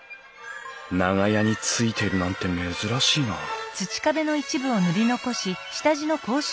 長屋についてるなんて珍しいなうん？